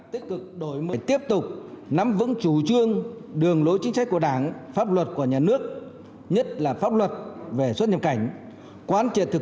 phát biểu tại đại hội lãnh đạo cục quản lý xuất nhập cảnh đánh giá cao những kết quả nổi bật